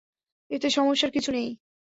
এতে সমস্যার কিছু নেই।